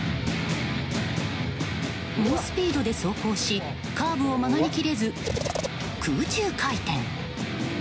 猛スピードで走行しカーブを曲がり切れず空中回転。